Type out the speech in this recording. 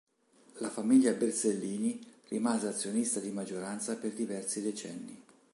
La famiglia Bersellini rimase azionista di maggioranza per diversi decenni.